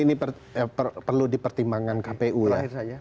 ini perlu dipertimbangkan kpu lah